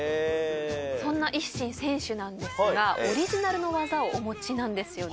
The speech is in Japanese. そんなＩＳＳＩＮ選手なんですがオリジナルの技をお持ちなんですよね。